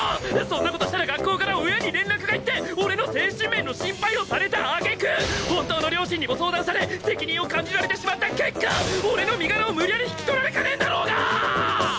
そんな事したら学校から親に連絡が行って俺の精神面の心配をされた揚げ句本当の両親にも相談され責任を感じられてしまった結果俺の身柄を無理やり引き取られかねんだろうがー！！